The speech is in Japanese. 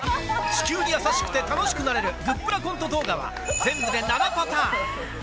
地球にやさしくて、楽しくなれる、グップラコント動画は、全部で７パターン。